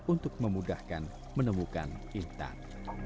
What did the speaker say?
untuk memudahkan menemukan intan